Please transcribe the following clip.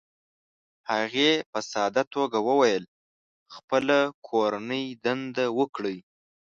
هغې په ساده توګه وویل: "خپله کورنۍ دنده وکړئ،